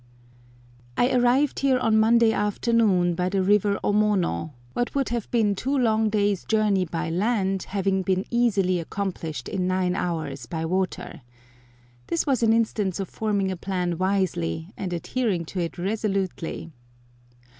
I ARRIVED here on Monday afternoon by the river Omono, what would have been two long days' journey by land having been easily accomplished in nine hours by water. This was an instance of forming a plan wisely, and adhering to it resolutely!